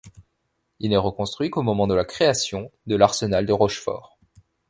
Il n'est reconstruit qu'au moment de la création de l'arsenal de Rochefort.